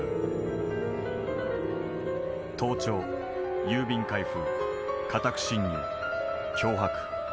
盗聴郵便開封家宅侵入脅迫。